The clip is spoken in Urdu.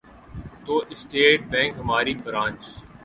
تو اسٹیٹ بینک ہماری برانچ